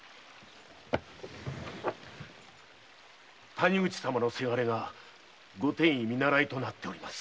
谷口様の伜がご典医見習いとなっております。